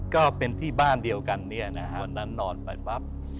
ก็เป็นที่บ้านเดียวกันเนี่ยนะฮะวันนั้นนอนไปปั๊บ